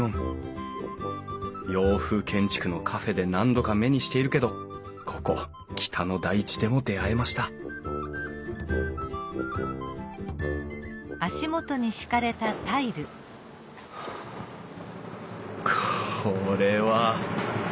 洋風建築のカフェで何度か目にしているけどここ北の大地でも出会えましたこれは！